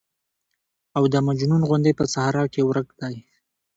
او د مجنون غوندې په صحرا کې ورک دى.